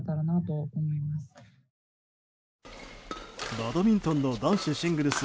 バドミントンの男子シングルス